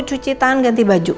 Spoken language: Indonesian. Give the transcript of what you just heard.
cuci tangan ganti baju